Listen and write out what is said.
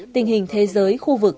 tình hình thế giới khu vực